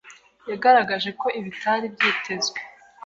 yagaragaje ko ibitari byitezwe